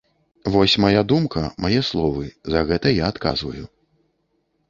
Вось мая думка, мае словы, за гэта я адказваю.